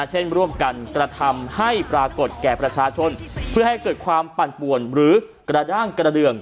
เช่นร่วมกันกระทำให้ปรากฏแก่ประชาชนเพื่อให้เกิดความปั่นป่วนหรือกระด้างกระเดือง